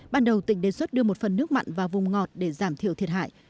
ban đầu tỉnh đề xuất đưa một phần nước mặn vào vùng ngọt để giảm thiểu thiệt hại